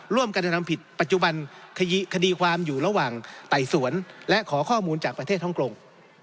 ร่วมกันกระทำผิดปัจจุบันคดีความอยู่ระหว่างไต่สวนและขอข้อมูลจากประเทศฮ่องกง